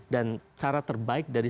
dan cara terbaik dari